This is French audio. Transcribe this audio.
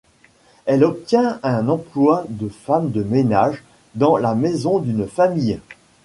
Elle obtient un emploi de femme de ménage dans la maison d'une famille.